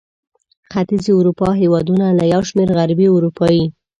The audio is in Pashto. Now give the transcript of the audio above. ختیځې اروپا هېوادونه له یو شمېر غربي اروپايي